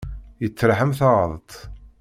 Yettraḥ am taɣaḍt.